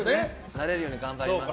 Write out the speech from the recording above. なれるように頑張ります。